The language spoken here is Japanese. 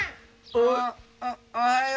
おおはよう。